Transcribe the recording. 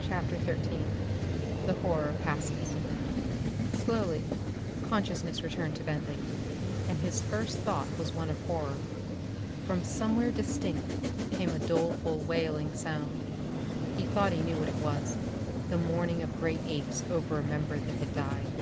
CHAPTER XIII The Horror Passes Slowly consciousness returned to Bentley, and his first thought was one of horror. From somewhere distinct came a doleful wailing sound. He thought he knew what it was the mourning of great apes over a member that had died.